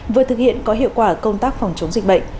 vừa thực hiện có hiệu quả công tác phòng chống dịch bệnh